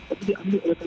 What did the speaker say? itu diambil oleh